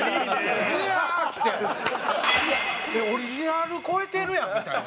オリジナル超えてるやんみたいな。